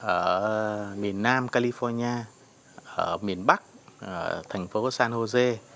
ở miền nam california ở miền bắc thành phố san jose